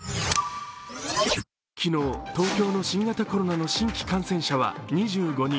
昨日、東京の新型コロナの新規感染者は２５人。